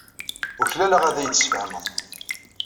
Uklaleɣ ad iyi-d-tesfehmeḍ.